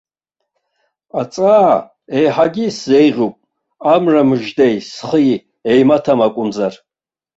Аҵаа еиҳагьы исзеиӷьуп, амра мыждеи схи еимаҭәам акәымзар.